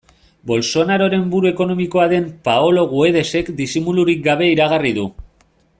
Bolsonaroren buru ekonomikoa den Paolo Guedesek disimulurik gabe iragarri du.